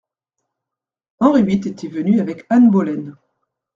Henri huit était venu avec Anne Boleyn.